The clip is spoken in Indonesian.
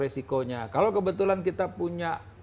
resikonya kalau kebetulan kita punya